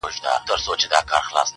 • له وهلو له ښکنځلو دواړو خلاص وو -